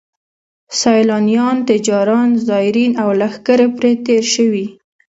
سیلانیان، تجاران، زایرین او لښکرې پرې تېر شوي.